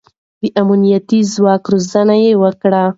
د امنيتي ځواک روزنه يې وکړه.